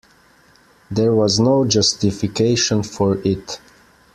There was no justification for it.